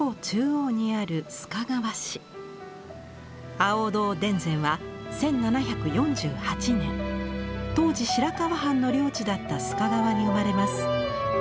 亜欧堂田善は１７４８年当時白河藩の領地だった須賀川に生まれます。